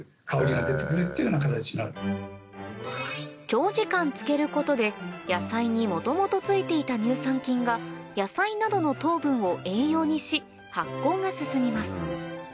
長時間漬けることで野菜に元々ついていた乳酸菌が野菜などの糖分を栄養にし発酵が進みます